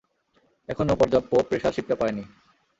এখনও পর্যাপ্য প্রেশার শিপটা পায়নি।